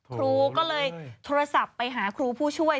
ครูก็เลยโทรศัพท์ไปหาครูผู้ช่วย